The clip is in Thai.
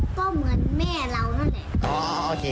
ก็เหมือนแม่เรานั่นแหละ